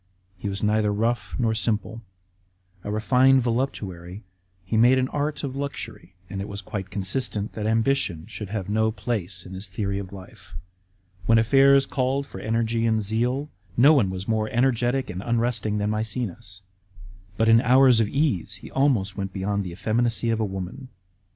He was neither rough nor simple. A refined voluptuary, he made an art of luxury ; and it was quite consistent that ambition should have no place in his theory of life. When affairs called for energy and zeal, no one was more energetic and unresting than Maecenas ; but hi hours of ease he almost went beyond the effeminacy of a woman.